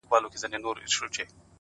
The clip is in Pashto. گنې زما کافر زړه چيري يادول گلونه-